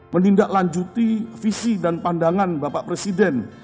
menindaklanjuti visi dan pandangan bapak presiden